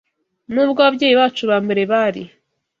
Nubwo ababyeyi bacu ba mbere bari